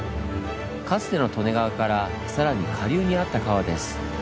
かつての利根川からさらに下流にあった川です。